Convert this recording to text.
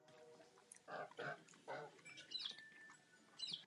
Ve svobodné Evropě musí mít každý právo na vlastní přesvědčení.